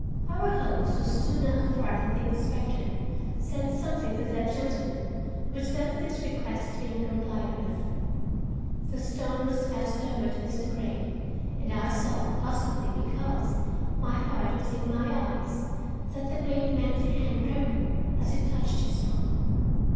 Our host, who stood not far from the inspector, said something to that gentleman which led to this request being complied with. The stone was passed over to Mr. Grey, and I saw, possibly because my heart was in my eyes, that the great man's hand trembled as it touched his palm.